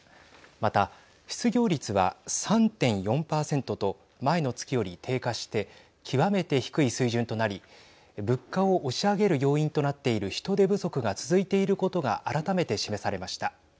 また、失業率は３．４％と前の月より低下して極めて低い水準となり物価を押し上げる要因となっている人手不足が続いていることが改めて示されました。